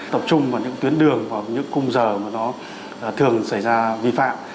tập trung vào những tuyến đường hoặc những cung giờ mà nó thường xảy ra vi phạm